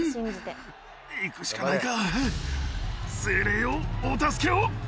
行くしかないか精霊よお助けを。